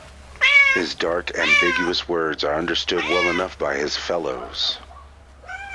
His dark ambiguous words are understood well enough by his fellows.